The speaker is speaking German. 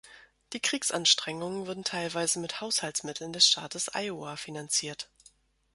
Die Kriegsanstrengungen wurden teilweise mit Haushaltsmitteln des Staates Iowa finanziert.